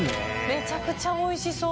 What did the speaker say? めちゃくちゃおいしそう！